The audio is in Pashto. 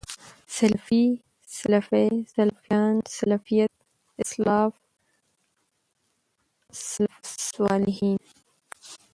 سلفي، سلفۍ، سلفيان، سلفيَت، اسلاف، سلف صالحين